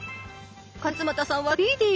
勝俣さんはスピーディー。